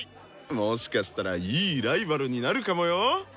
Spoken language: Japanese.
もしかしたらいいライバルになるかもよ。